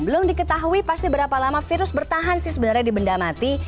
belum diketahui pasti berapa lama virus bertahan sih sebenarnya di benda mati